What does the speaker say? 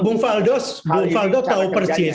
bung faldos tahu persis